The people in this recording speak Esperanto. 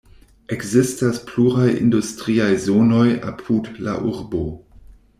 Ekzistas pluraj industriaj zonoj apud la urbo.